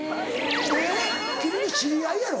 えっ君の知り合いやろ？